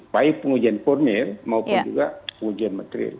baik pengujian formil maupun juga pengujian material